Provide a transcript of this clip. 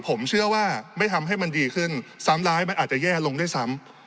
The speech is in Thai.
ผมเชื่อว่าไม่ทำให้มันดีขึ้นซ้ำร้ายมันอาจจะแย่ลงด้วยซ้ำ